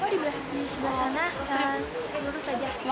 di sebelah sana